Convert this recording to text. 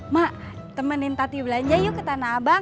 mak temenin tati belanja yuk ke tanah abang